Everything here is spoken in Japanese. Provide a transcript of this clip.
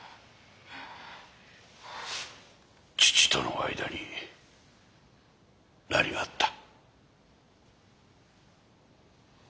父との間に何があった？